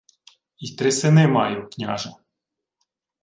— Й три сини маю, княже...